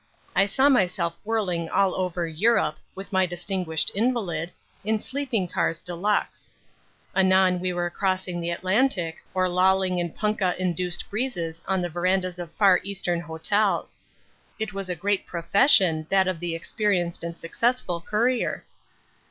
I saw myself whirling all over Europe with my distinguished invalid in sleeping cars de luxe. Anon we were crossing the Atlantic or lolling in punkah induced breezes on the verandahs of Far Eastern hotels. It was a great profession, that of the experienced and successful courier.